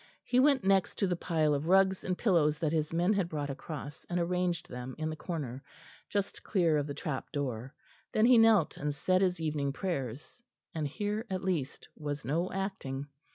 He went next to the pile of rugs and pillows that his men had brought across, and arranged them in the corner, just clear of the trap door. Then he knelt and said his evening prayers, and here at least was no acting.